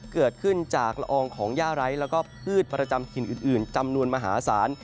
เกิดขึ้นจากละอองของย่าไร้แล้วก็พืชประจำถิ่นอื่นจำนวนมหาศาล